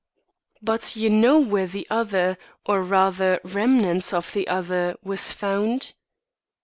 "But you know where the other or rather remnants of the other, was found?"